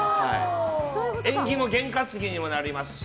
縁起も、験担ぎにもなりますし。